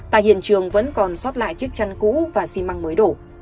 tại hiện trường vẫn còn sót lại chiếc chăn cũ và xi măng mới đổ